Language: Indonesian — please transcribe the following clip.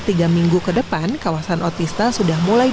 tiga minggu lagi nih bu kenapa udah mulai